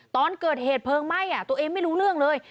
ตอนเกิดเหตุเพลิงไหม้ตัวเองไม่รู้เรื่องเลย